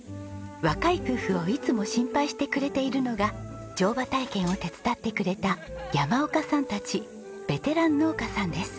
若い夫婦をいつも心配してくれているのが乗馬体験を手伝ってくれた山岡さんたちベテラン農家さんです。